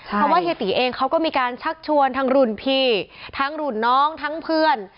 เพราะว่าเฮียตีเองเขาก็มีการชักชวนทั้งรุ่นพี่ทั้งรุ่นน้องทั้งเพื่อน